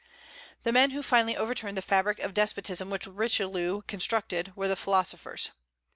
The men who finally overturned the fabric of despotism which Richelieu constructed were the philosophers.